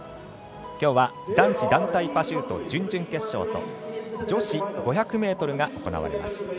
きょうは男子団体パシュート準々決勝と女子５００ｍが行われます。